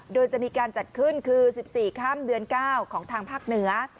โดยจะมีการจัดขึ้นคือ๑๔ค่ำเดือน๙ของทางภาคเหนือ